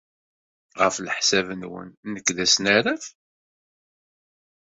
Ɣef leḥsab-nwen, nekk d asnaraf?